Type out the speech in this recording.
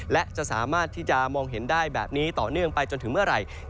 และจะสามารถที่จะมองเห็นได้แบบนี้ต่อเนื่องไปจนถึงเมื่อไหร่